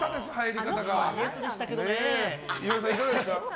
岩井さん、いかがでした？